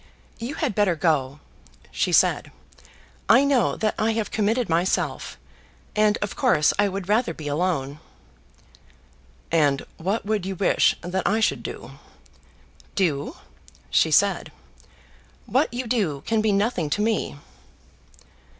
"You had better go," she said. "I know that I have committed myself, and of course I would rather be alone." "And what would you wish that I should do?" "Do?" she said. "What you do can be nothing to me."